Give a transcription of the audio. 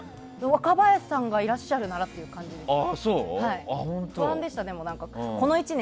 若林さんがいらっしゃるならって感じです。